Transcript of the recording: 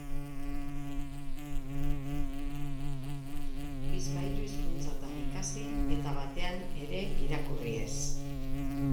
Bizpahiru hizkuntzatan ikasi eta batean ere irakurri ez.